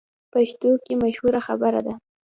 پښتو کې مشهوره خبره ده: